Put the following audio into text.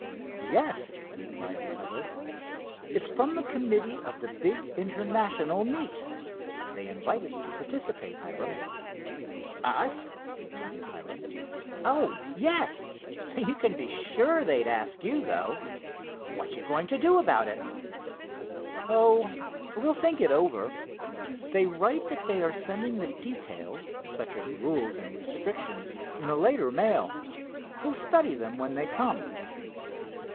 "Yes," replied the other, "it's from the committee of the big International meet. They invite us to participate, Hiram." "Us?" repeated Hiram—"Oh, yes! You can be sure they'd ask you, though. What you going to do about it?" "Oh, we'll think it over. They write that they are sending the details, such as rules and restrictions, in a later mail. We'll study them when they come."